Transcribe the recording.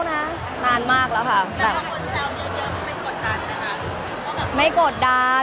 มันเป็นเรื่องน่ารักที่เวลาเจอกันเราต้องแซวอะไรอย่างเงี้ย